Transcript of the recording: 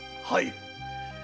はい。